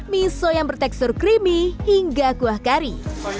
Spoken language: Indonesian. miso yang bertekstur creamy hingga kuah kari